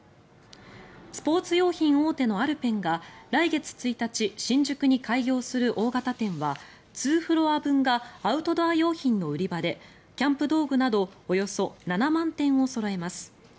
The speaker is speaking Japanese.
スポーツ用品大手のアルペンが来月１日新宿に開業する大型店は２フロア分がアウトドア用品の売り場でキャンプ道具などおよそ７万点をそろえます。